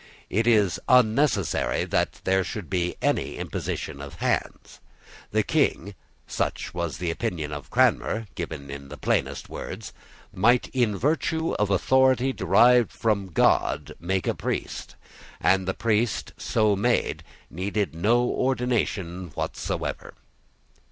It was unnecessary that there should be any imposition of hands. The King, such was the opinion of Cranmer given in the plainest words, might in virtue of authority derived from God, make a priest; and the priest so made needed no ordination whatever.